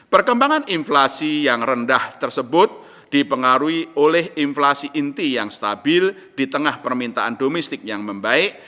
perkembangan inflasi yang rendah tersebut dipengaruhi oleh inflasi inti yang stabil di tengah permintaan domestik yang membaik